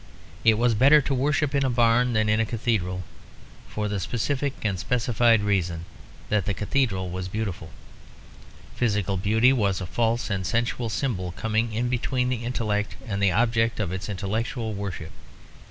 It was better to worship in a barn than in a cathedral for the specific and specified reason that the cathedral was beautiful. Physical beauty was a false and sensual symbol coming in between the intellect and the object of its intellectual worship.